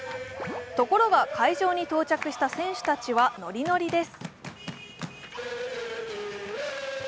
ところが会場に到着した選手たちは、のりのりです。